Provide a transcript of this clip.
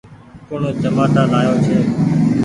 ڪوڻ چمآٽآ لآيو ڇي۔